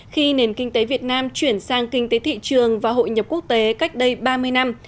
khi nền kinh tế việt nam chuyển sang kinh tế thị trường và hội nhập quốc tế cách đây ba mươi năm